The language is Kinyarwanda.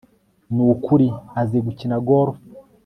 Nukuri ko azi gukina golf